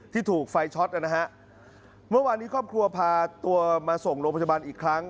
ถูกไฟช็อตนะฮะเมื่อวานนี้ครอบครัวพาตัวมาส่งโรงพยาบาลอีกครั้ง